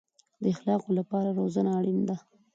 د اخلاقو لپاره روزنه اړین ده